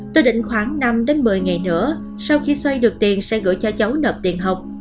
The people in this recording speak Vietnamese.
tôi định khoảng năm đến một mươi ngày nữa sau khi xoay được tiền sẽ gửi cho cháu nợp tiền học